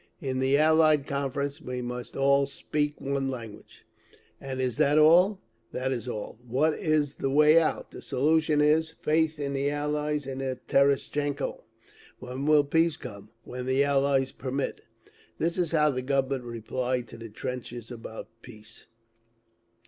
In the Allied Conference we must all 'speak one language.' And is that all? That is all. What is the way out? The solution is, faith in the Allies and in Terestchenko. When will peace come? When the Allies permit. That is how the Government replied to the trenches about peace!